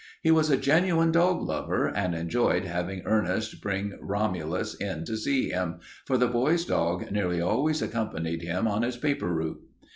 He was a genuine dog lover and enjoyed having Ernest bring Romulus in to see him, for the boy's dog nearly always accompanied him on his paper route.